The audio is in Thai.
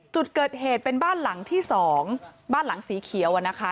จุดเกิดเหตุเป็นบ้านหลังที่สองบ้านหลังสีเขียวอะนะคะ